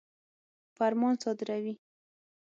فرمان صادروي.